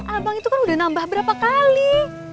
abang itu kan udah nambah berapa kali